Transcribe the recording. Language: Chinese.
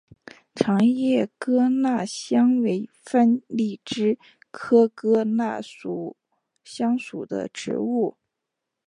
长叶哥纳香为番荔枝科哥纳香属的植物。